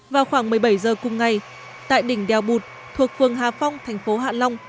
vào khoảng một mươi bảy giờ cùng ngày tại đỉnh đèo bụt thuộc phường hà phong thành phố hạ long